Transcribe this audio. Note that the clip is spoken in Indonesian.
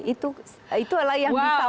itu itulah yang disampaikan